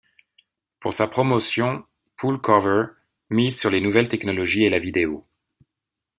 Pour sa promotion, Pool Cover mise sur les nouvelles technologies et la vidéo.